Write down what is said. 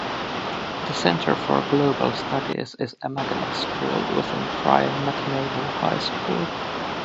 The Center for Global Studies is a magnet school within Brien McMahon High School.